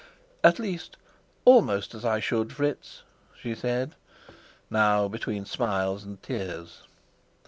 "At least, almost as I should, Fritz," she said, now between smiles and tears.